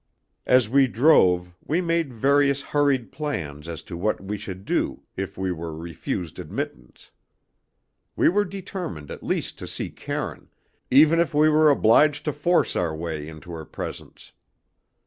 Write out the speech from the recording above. As we drove we made various hurried plans as to what we should do if we were refused admittance. We were determined at least to see Karine, even if we were obliged to force our way into her presence.